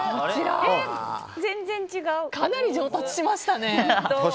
かなり上達しましたね。